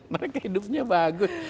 mereka hidupnya bagus